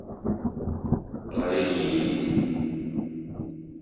Ɣɣar-iyi-d!